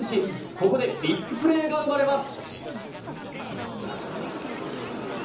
ここでビッグプレーが生まれます。